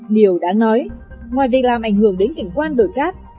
điều đáng nói ngoài việc làm ảnh hưởng đến cảnh quan đồi cát